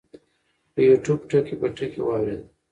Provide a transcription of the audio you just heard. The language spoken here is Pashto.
پۀ يو ټيوب ټکے پۀ ټکے واورېده -